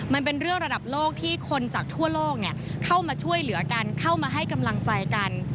มันเป็นเรื่องระดับโลกที่คนจากทั่วโลกเข้ามาช่วยเหลือกันเข้ามาให้กำลังใจกัน